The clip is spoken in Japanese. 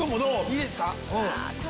いいですか！